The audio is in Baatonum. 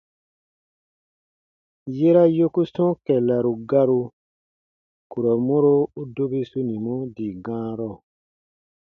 Yera yoku sɔ̃ɔ kɛllaru garu, kurɔ mɔro u dobi sunimɔ dii gãarɔ.